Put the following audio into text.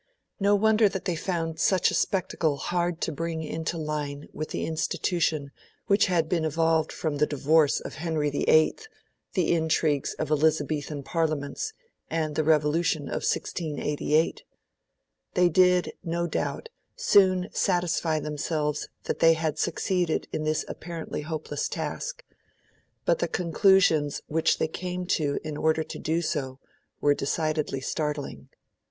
No wonder that they found such a spectacle hard to bring into line with the institution which had been evolved from the divorce of Henry VIII, the intrigues of Elizabethan parliaments, and the Revolution of 1688. They did, no doubt, soon satisfy themselves that they had succeeded in this apparently hopeless task; but, the conclusions which they came to in order to do so were decidedly startling.